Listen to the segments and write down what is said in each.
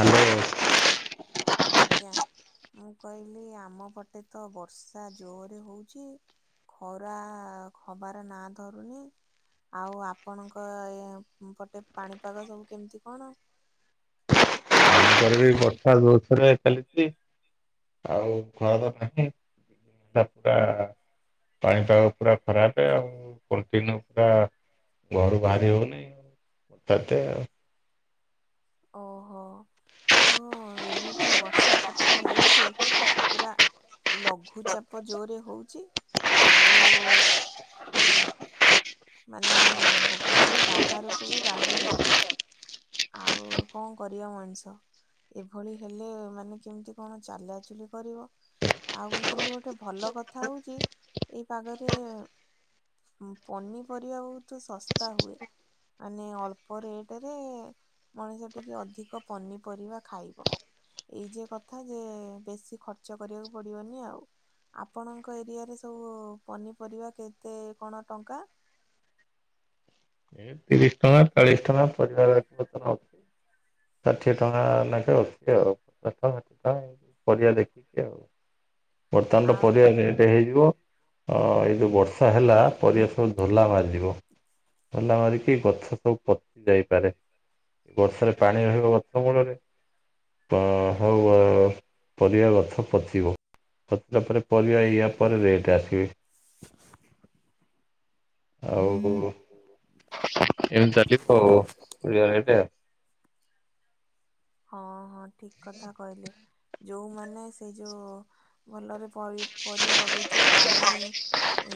Hello ଆଜ୍ଞା। ମୁଁ କହିଲି ଆମ ପଟେ ତ ବର୍ଷା ଜୋରରେ ହଉଛି। ଖରା ଖବାର ନାଁ ଧରୁନି। ଆଉ ଆପଣଙ୍କ ଏ ପଟେ ପାଣିପାଗ ସବୁ କେମିତି କଣ? ରେ ବି ବର୍ଷା ଜୋରସରେ ଚାଲିଛି ଆଉ ଘର ତ ନାହିଁ। [unintelligible] ପାଣି ତ ପୁରା ଖରାପ ଆଉ ପ ପୁରା ଘରୁ ବାହାରି ହଉନିଁ ତାତେ ଆଉ। ଓହୋ ଆଉ ଏମିତି ବର୍ଷା ପତ୍ର ହେଲାଠୁ ପୁରା ଲଘୁଚାପ ଜୋରରେ ହଉଛି ଆଉ ମାନେ ଘରୁ ବାହାରକୁ ବି ବାହାରି ହଉନି। ଆଉ କଣ କରିବା ମଣିଷ। ଏଭଳି ହେଲେ ମାନେ କେମିତି କଣ ଚାଲାଚୁଲି କରିବ? ଆଉ କିନ୍ତୁ ଗୋଟେ ଭଲ କଥା ହଉଛି ଏଇ ପାଗରେ ପନିପରିବା ବହୁତ ଶସ୍ତା ହୁଏ। ମାନେ ଅଳ୍ପ ରେଟ ରେ ମଣିଷ ଟିକେ ଅଧିକ ପନିପରିବା ଖାଇବ। ଏଇ ଯେ କଥା ଯେ ବେଶୀ ଖର୍ଚ୍ଚ କରିବାକୁ ପଡିବନି ଆଉ। ଆପଣଙ୍କ ଏରିଆରେ ସବୁ ପନିପରିବା କେତେ କଣ ଟଙ୍କା? ତିରିଶ ଟଙ୍କା ଚାଳିଶ ଟଙ୍କା ପରିବା [unintelligible] ଷାଠିଏ ଟଙ୍କା ନକେ ଅଛି ଆଉ [unintelligible] ପରିବା ଦେଖିକି ଆଉ ବର୍ତ୍ତମାନର ଆଉ ପରିବା ଏଇଟ ହେଇଯିବ ଏଇ ଯଉ ବର୍ଷ ବର୍ଷା ହେଲା ପରିବା ସବୁ ଧୋଲା ମାରିଯିବ ଧୋଲା ମାରି ଗଛ ସବୁ ପତି ଯାଇପାରେ ବର୍ଷାରେ ପାଣି ରହିବ ଗଛ ମୂଳରେ। ହେଉ ପରିବା ଗଛ ପଚିବ ପଚିଲା ପରେ ପରିବା ଇଆ ପରେ ରେଟ୍ ଆସି ଆଉ କଣ ଏମିତି ଚାଲିିବ [unintelligible] ହଁ ହଁ ଠିକ୍ କଥା କହିଲେ ଯୋଉମାନେ ସେଇ ଯୋଉ ଭଲରେ ପରି ପରିବା ଲଗେଇଥିବା ପାଣି ଉ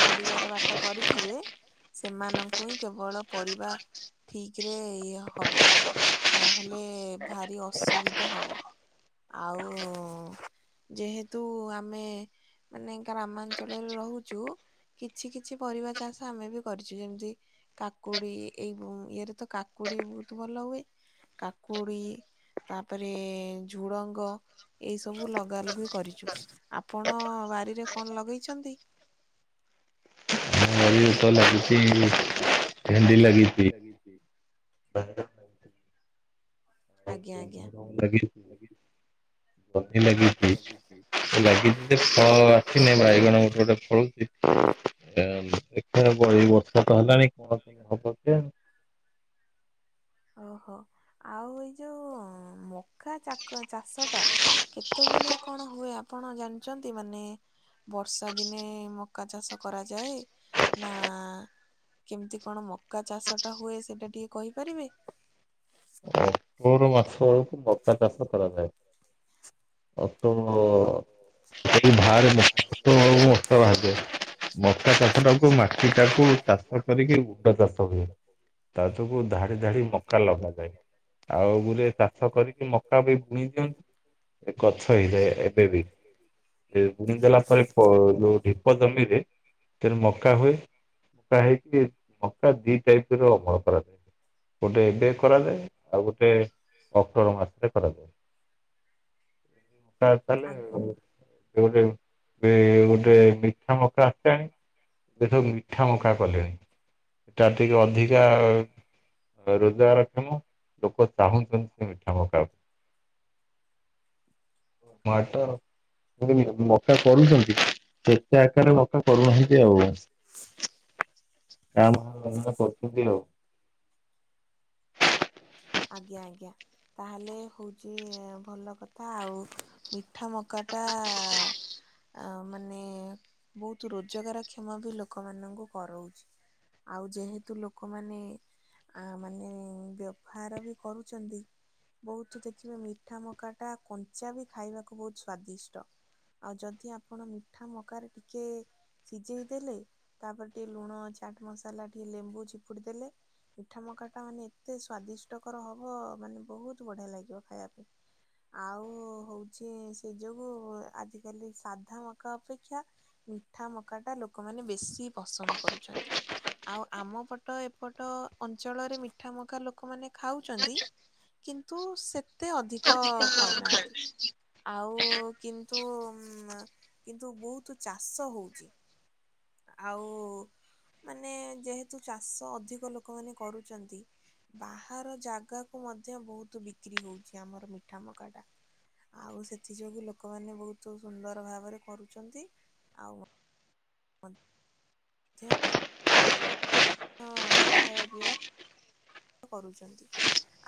ଛାଡିବାର ବାଟ କରିଥିବେ। ସେମାନଙ୍କୁ ହିଁ କେବଳ ପରିବା ଠିକ୍ ରେ ଇଏ ହବ। ହେଲେ ଭାରି ଅସୁବିଧା ହବ। ଆଉ ଯେହେତୁ ଆମେ ମାନେ ଗ୍ରାମାଞ୍ଚଳରେ ରହୁଚୁ। କିଛି କିଛି ପରିବା ଚାଷ ଆମେ ବି କରିଛୁ ଯେମତି କାକୁଡି ଏଇ ଇଏରେ ତ କାକୁଡି ବହୁତ ଭଲ ହୁଏ। କାକୁଡ଼ି ତାପରେ ଝୁଡ଼ଙ୍ଗ ଏଇ ସବୁ ଲଗାଲୁଗି କରିଚୁ ଆପଣ ବାରିରେ କଣ ଲଗେଇଚନ୍ତି? ବାରିରେ ଆମ ତ ବାଡିରେ ଲାଗିଛି ତ ଲାଗିଛି ଭେଣ୍ଡି ଲାଗିଚି। [unintelligible] ଆଜ୍ଞା ଆଜ୍ଞା [unintelligible] ଲାଗିଛି। ଲାଗିଛି ଫଳ ଆସିଲେ ବାଇଗଣ ଗୋଟେ ଗୋଟେ ଫଳୁଛି। ଦେଖିଆ ଏଇ ବର୍ଷା ତ ହେଲାଣି କଣ କେମତି ହବ [unintelligible] ଓହୋ ଆଉ ଏଇ ଯୋଉ ମ ଆଖା ଚାକ ଚାଷ ଟା କେତେବେଳେ କଣ ହୁଏ ଆପଣ ଜାଣିଛନ୍ତି ମାନେ ବର୍ଷା ଦିନେ ମକା ଚାଷ କରାଯାଏ ନା କେମିତି କଣ ମକା ଚାଷଟା ହୁଏ ସେଟା ଟିକେ କହିପାରିବେ। ମୋର ମାସ ଆଡକୁ ହ ମକା ଚାଷ କରାଯାଏ ଅକ୍ଟ [inaudible] [unintelligible] ମକା ଚାଷ ଟାକୁ ମାଟି ଟାକୁ [unintelligible] କରିକି ବୁଟ ଚାଷ ହୁଏ ତା ଯୋଗୁ ଧାଡି ଧାଡି ମକା ଲଗାଯାଏ। ଆଉ ଗୁରେ ଚାଷ କରିକି ମକା ବି ବୁଣି ଚନ୍ତି ଗଛ ହେଇଯାଏ ଏବେ ବି ବୁଣି ଦେଲା ପରେ ଯୋଉ ଢିପ ଜମିରେ ସେ ମକା ହୁଏ ମକା ହେ ସେଠି ମକା ଦି ଟାଇପ୍ ରେ ଅମଳ କରାଯାଏ ଗୋଟେ ଏବେ କରାଯାଏ। ଆଉ ଗୋଟେ ଅକ୍ଟୋବର ମାସରେ କରାଯାଏ। ତା ଚାଲେ ଆଜ୍ଞା ଆଉ ଗୋଟେ ଗୋଟେ ମିଠା ମକା ଆସେ ଏବେ ମିଠା ମକା କଲେଣି। ଏଟା ଟିକେ ଅଧିକା ରୋଜଗାରକ୍ଷମ ଲୋକ ଚାହୁଁଛନ୍ତି ମିଠା ମକା [inaudible] ମାଡ- ମକା କରୁଛନ୍ତି ସେତେ ଆକାରରେ ମକା କରୁନାହାନ୍ତି ଆଉ କା ଭାଁ କରୁଛନ୍ତି ଆଉ ଆଜ୍ଞା ଆଜ୍ଞା ତାହେଲେ ହଉଚି ଭଲ କଥା ଆଉ ମିଠା ମକାଟା ଅ ମାନେ ବହୁତ ରୋଜଗାର କ୍ଷମ ବି ଲୋକମାନଙ୍କୁ କରଉଛି ଆଉ ଯେହେତୁ ଲୋକମାନେ ଆ ମାନେ ବ୍ୟ ଭାର ବି କରୁଚନ୍ତି। ବହୁତ ଦେଖିବେ ମିଠା ମକା ଟା କଞ୍ଚା ବି ଖାଇବାକୁ ବହୁତ ସ୍ଵାଦିଷ୍ଟ ଆଉ ଯଦି ଆପଣ ମିଠା ମକାରେ ଟିକେ ସିଝେଇ ଦେଲେ ତାପରେ ଟିକେ ଲୁଣ ଚାଟ ମସଲା ଟିକେ ଲେମ୍ବୁ ଚିପୁଡି ଦେଲେ। ମିଠା ମକାଟା ମାନେ ଏତେ ସ୍ଵାଦିଷ୍ଟକର ହବ ମାନେ ବହୁତ ବଢିଆ ଲାଗିବ ଖାଇବା ପାଇଁ ଆଉ ହଉଛି ସେ ଯୋଗୁ ଆଜିକାଲି ସାଧା ମକା ଅପେକ୍ଷା ମିଠା ମକାଟା ଲୋକମାନେ ବେଶୀ ପସନ୍ଦ କରୁଛନ୍ତି ଆଉ ଆମ ପଟ ଏପଟ ଅଞ୍ଚଳରେ ମିଠା ମକା ଲୋକ ଲୋକମାନେ ଖାଉଛନ୍ତି କିନ୍ତୁ ସେତେ ଅଧିକ ଖାଉନାହାନ୍ତି ଆଉ କିନ୍ତୁ କିନ୍ତୁ ବହୁତ ଚାଷ ହେଉଛି ଆଉ ମାନେ ଯେହେତୁ ଚାଷ ଅଧିକ ଲୋକମାନେ କରୁଛନ୍ତି ବାହାର ଜାଗାକୁ ମଧ୍ୟ ବହୁତ ବିକ୍ରି ହଉଛି ଆମର ମିଠା ମକାଟା ଆଉ ସେଥି ଯୋଗୁ ଲୋକମାନେ ବହୁତ ସୁନ୍ଦର ଭାବରେ କରୁଛନ୍ତି ଆଉ [unintelligible] ହଁ ଖାଇବା ପିଇବା କରୁଛନ୍ତି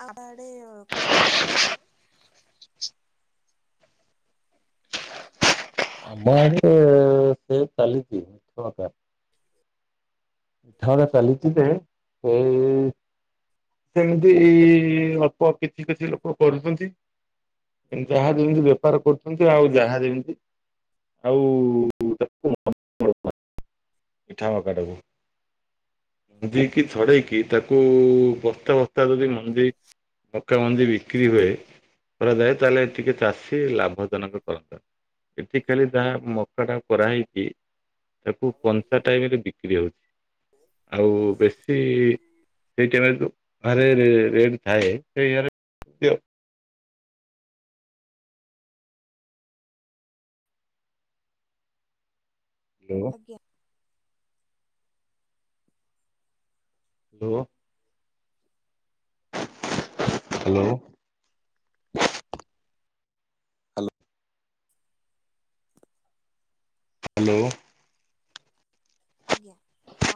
ଆମ ଆଡେ କଣ କିଣିବେ? ଆମ ଆଡେ ସେ ଚାଲିଛି ହୁଅନ୍ତା ଥରେ ଚାଲିଚି ଯେ ଏଇ ସେମିତି ଅଳ୍ପ କିଛି କିଛି ଲୋକ କରୁଛନ୍ତି। ଯାହା ଯେମିତି ବେପାର କରୁଛନ୍ତି ଆଉ ଯାହା ଯେମିତି ଆଉ [unintelligible] ମିଠା ମକାଟାକୁ ମଞ୍ଜି କିି ଛଡେଇକି ତାକୁ ବସ୍ତା ବସ୍ତା ଯଦି ମଞ୍ଜି ମକା ମଞ୍ଜି ବିକ୍ରି ହୁଏ କରାଯାଏ ତାହେଲେ ଟିକେ ଚାଷୀ ଲାଭଜନକ କରନ୍ତା ଏଠି ଖାଲି ଯାହା ମକାଟା କରାହେଇଛି ତାକୁ କଞ୍ଚା ଟାଇମରେ ବିକ୍ରି ହଉଛି ଆଉ ବେଶୀ ସେଇ ଟାଇମରେ ତ ରେ ରେଟ ଥାଏ ସେ- ହୁଁ। ଆଜ୍ଞା [unintelligible] ହ୍ୟାଲୋ। ହ୍ୟାଲୋ। ଆଜ୍ଞା ହଁ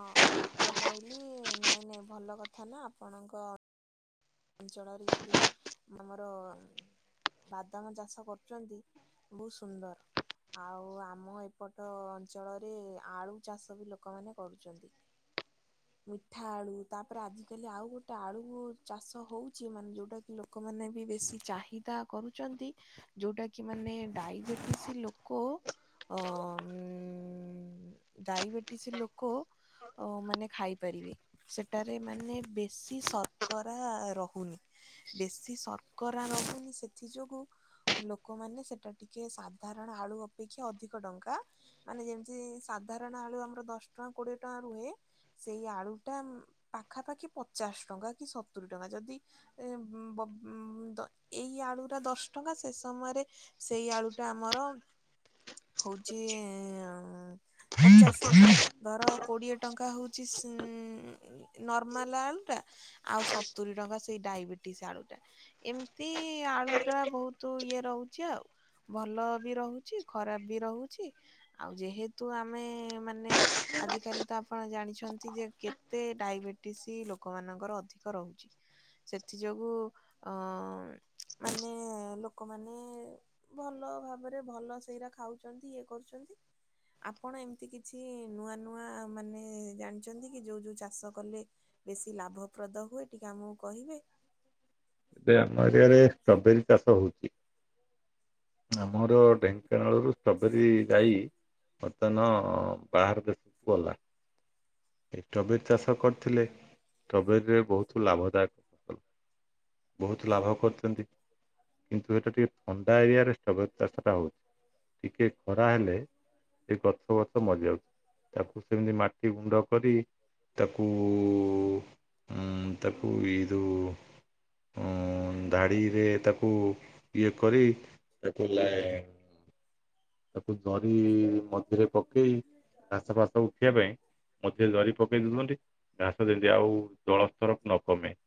ମୁଁ କହିଲି ନାଇଁ ନାଇଁ ଭଲ କଥା ନା ଆପଣଙ୍କ ଅଞ୍ଚଳରେ ଯଦି ଆମର ବାଦାମ ଚାଷ କରୁଛନ୍ତି ବହୁତ ସୁନ୍ଦର। ଆଉ ଆମ ଏପଟ ଅଞ୍ଚଳରେ ଆଳୁ ଚାଷ ବି ଲୋକମାନେ କରୁଛନ୍ତି। ମିଠା ଆଳୁ ତାପରେ ଆଜିିକାଲି ଆଉ ଗୋଟେ ଆଳୁ ଚାଷ ହଉଛି ମାନେ ଯଉଟା କିି ଲୋକମାନେ ବି ବେଶୀ ଚାହିଦା କରୁଛନ୍ତି। ଯୋଉଟା କି ମାନେ ଡାଇବେଟିସ୍ ଲୋକ ଅ ଉଁ ଡାଇବେଟିସ୍ ଲୋକ ଓ ମାନେ ଖାଇପାରିବେ ସେଠାରେ ମାନେ ବେଶୀ ସ କରା ରହୁନି ବେଶୀ ଶର୍କରା ରହୁନି ସେଥି ଯୋଗୁ ଲୋକମାନେ ସେଟା ଟିକେ ସାଧାରଣ ଆଳୁ ଅପେକ୍ଷା ଅଧିକ ଟଙ୍କା ମାନେ ଯେମିତି ସାଧାରଣ ଆଳୁ ଆମର ଦଶ ଟଙ୍କା କୋଡିଏ ଟଙ୍କା ରୁହେ। ସେଇ ଆଳୁ ଟା ପାଖାପାଖି ପଚାଶ ଟଙ୍କା କି ସତୁରୀ ଟଙ୍କା ଯଦି ଏ ବ ଦ ଏଇ ଆଳୁରା ଦଶ ଟଙ୍କା ସେ ସମୟରେ ସେଇ ଆଳୁ ଟା ଆମର ହଉଚି ପଚାଶ ଟଙ୍କା ଧର କୋଡିଏ ଟଙ୍କା ହଉଛି ଉଁ ନର୍ମାଲ ଆଳୁ ଟା ଆଉ ସତୁରୀ ଟଙ୍କା ସେଇ ଡାଇବେଟିସ ଆଳୁ ଟା। ଏମିତି ଆଳୁ ଟା ବହୁତ ଇଏ ରହୁଛି ଆଉ। ଭଲ ବି ରହୁଛି ଖରାପ ବି ରହୁଛି ଆଉ ଯେହେତୁ ଆମେ ମାନେ ଆଜିକାଲି ତ ଆପଣ ଜାଣିଛନ୍ତି ଯେ କେତେ ଡାଇବେଟିସ୍ ଲୋକମାନଙ୍କର ଅଧିକ। ରହୁଛି। ସେଥି ଯୋଗୁ ଅ ମାନେ ଲୋକମାନେ ଭଲ ଭାବରେ ଭଲ ସେଇରା ଖାଉଛନ୍ତି ଇଏ କରୁଛନ୍ତି। ଆପଣ ଏମିତି କିଛି ନୂଆ ନୂଆ ମାନେ ଜାଣିଛନ୍ତି କି ଯୋଉ ଯୋଉ ଚାଷ କଲେ ବେଶୀ ଲାଭପ୍ରଦ ହୁଏ ଟିକେ ଆମକୁ କହିବେ। ଯେ ଆମ ଏରିଆରେ ଷ୍ଟ୍ରବେରୀ ଚାଷ ହେଉଛି ଆମର ଢେ ଙ୍କାନାଳରୁ ବେରୀ ଗାଈ ବର୍ତ୍ତାନ ବାହାର ଦେଶକୁ ଗଲାଣି। ଏଇ ଟବେରୀ ଚାଷ କରିଥିଲେ ଟବେରୀ ରେ ବହୁତ ଲାଭଦାୟକ ଫସଲ, ବହୁତ ଲାଭ କରୁଛନ୍ତି କିନ୍ତୁ ସେଇଟା ଟିକେ ଥଣ୍ଡା ଏରିଆରେ ଷ୍ଟବେରୀ ଚାଷଟା ହଉଛି। ଟିକେ ଖରା ହେଲେ ସେ ଗଛ ଫଛ ମରୀ ଯାଉଛି। ତାକୁ ସେମିତି ମାଟି ଗୁଣ୍ଡ କରି ତାକୁ ଉଁ ତାକୁ ଇ ଉଁ ଧାଡ଼ିରେ ତାକୁ ଇଏ କରି ତାକୁ ଲା ତାକୁ ଜରି ମଝିରେ ପକେଇ ଘାସ ଫାସ ଉଠିବା ପାଇଁ ମଝିରେ ଜରି ପକେଇ ଦଉଛନ୍ତି ଘାସ ଦିନ୍ତି ଆଉ ଜଳସ୍ତର ନ କମେ।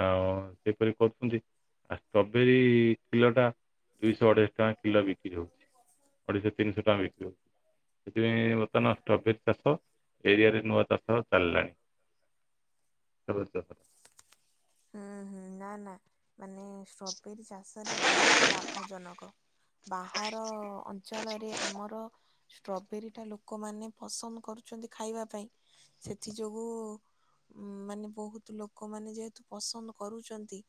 ଆଉ ସେପରି କହୁଛନ୍ତି ଆ ଷ୍ଟ୍ରବେରୀ କିଲୋଟା ଦୁଇଶହ ଅଢେଇଶ ଟଙ୍କା କିଲୋ ବିକ୍ରି ହଉଛି ଅଢ଼େଇଶହ ତିନିଶହ ଟଙ୍କା ବିକ୍ରି ହଉଛି। ସେଥିପାଇଁ ବର୍ତ୍ତମାନ ଷ୍ଟ୍ରବେରୀ ଚାଷ ଏରିଆରେ ନୂଆ ଚାଷ ଚାଲିଲାଣି। ଷ୍ଟ୍ରବେରୀ ଚାଷ। ହୁଁ ହୁଁ ନା ନା ମାନେ ଷ୍ଟ୍ରବେରୀ ଚାଷରେ ବହୁତ ଲାଭଜନକ। ବାହାର ଅଞ୍ଚଳରେ ଆମର ଷ୍ଟ୍ରବେରୀ ଟା ଲୋକମାନେ ପସନ୍ଦ କରୁଛନ୍ତି ଖାଇବା ପାଇଁ ସେଥି ଯୋଗୁ ଉ ମାନେ ବହୁତ ଲୋକମାନେ ଯେହେତୁ ପସନ୍ଦ କରୁଛନ୍ତି।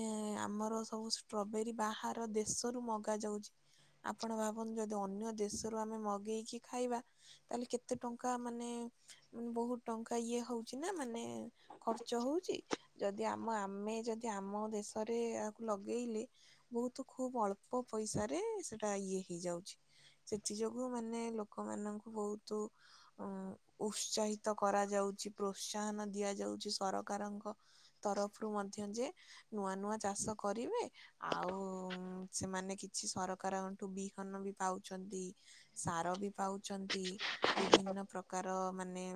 ଏ ଆମର ସବୁ ଷ୍ଟ୍ରବେରୀ ବାହାର ଦେଶରୁ ମଗା ଯାଉଛି। ଆପଣ ଭାବନ୍ତୁ ଯଦି ଅନ୍ୟ ଦେଶରୁ ଆମେ ମଗେଇକି ଖାଇବା। ତାହେଲେ କେତେ ଟଙ୍କା ମାନେ ବହୁତ୍ ଟଙ୍କା ଇଏ ହଉଛି ନା ମାନେ ଖର୍ଚ୍ଚ ହଉଛି। ଯଦି ଆମ ଆମେ ଯଦି ଆମ ଦେଶରେ ଏହାକୁ ଲଗେଇଲେ ବହୁତ୍ ଖୁବ ଅଳ୍ପ ପଇସାରେ ସେଟା ଇଏ ହେଇଯାଉଛି। ସେଥି ଯୋଗୁ ମାନେ ଲୋକମାନାନଙ୍କୁ ବହୁତ ଅଁ। ଉତ୍ସାହିତ କରାଯାଉଛି ପ୍ରୋତ୍ସାହନ ଦିଆ ଯାଉଛି ସରକାରଙ୍କ। ତରଫରୁ ମଧ୍ୟ ଯେ ନୂଆ ନୂଆ ଚାଷ କରିବେ। ଆଉ ସେମାନେ କିଛି ସରକାରଙ୍କଣ୍ଠୁ ବିହନ ବି ପାଉଛନ୍ତି। ସାର ବି ପାଉଛନ୍ତି ବିଭିନ୍ନ ପ୍ରକାର ମାନେ।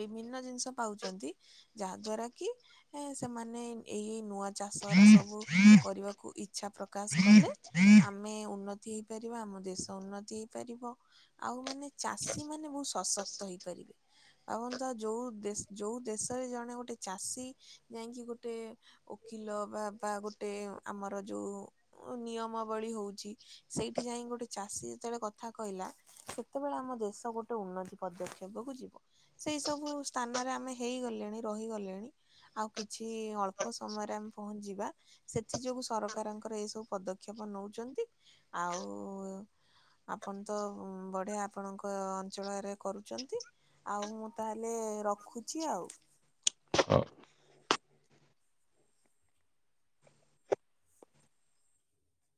ବିଭିନ୍ନ ଜିନିଷ ପାଉଛନ୍ତି ଯାହା ଦ୍ଵାରା କି ଏ ସେମାନେ ଏଇ ନୂଆ ଚାଷ ସବୁ କରିବାକୁ ଇଚ୍ଛା ପ୍ରକାଶ କଲେ ଆମେ ଉନ୍ନତି ହେଇପାରିବା ଆମ ଦେଶ ଉନ୍ନତି ହେଇପାରିବ। ଆଉ ମାନେ ଚାଷୀ ମାନେ ବହୁତ୍ ସଶକ୍ତ ହେଇପାରିବେ। ଆ ଅନ୍ତ ଯୋଉ ଦେ ଯୋଉ ଦେଶରେ ଜଣେ ଗୋଟେ ଚାଷୀ ଯାଇଁକି ଗୋଟେ ଓକିଲ ବା ବା ଗୋଟେ ଆମର ଯୋଉ ନିୟମାବଳୀ ହଉଛି ସେଇଠି ଯାଇ ଗୋଟେ ଚାଷୀ ଯେତେବେଳେ କଥା କହିଲା। ସେତେବେଳେ ଆମ ଦେଶ ଗୋଟେ ଉନ୍ନତି ପଦକ୍ଷେପକୁୁ ଯିବ। ସେଇ ସବୁ ସ୍ଥାନରେ ଆମେ ହେଇଗଲେଣି ରହିଗଲେଣି ଆଉ କିଛି ଅଳ୍ପ ସମୟରେ ଆମେ ପହଞ୍ଚିବା। ସେଥି ଯୋଗୁ ସରକାରଙ୍କର ଏଇ ସବୁ ପଦକ୍ଷେପ ନଉଛନ୍ତି ଆଉ ଆପଣ ତ ବଢିଆ ଆପଣଙ୍କ ଅଞ୍ଚଳରେ କରୁଛନ୍ତି। ଆଉ ମୁଁ ତାହେଲେ ରଖୁଛି ଆଉ। ଅ